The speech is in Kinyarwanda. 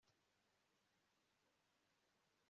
Ndetse na nyuma yo kuryama nari nzi amajwi ari muri salle